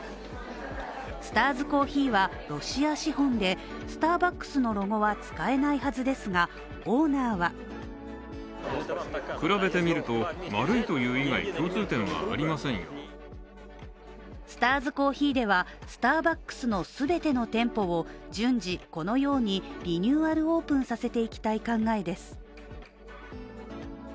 スターズコーヒーはロシア資本でスターバックスのロゴは使えないはずですが、オーナーはスターズコーヒーではスターバックスの全ての店舗を順次、このようにリニューアルオープンさせていきたい考えです。